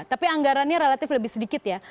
tapi anggarannya relatif lebih sedikit ya